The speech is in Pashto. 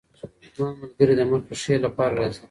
زما ملګرې د مخې ښې لپاره راځي.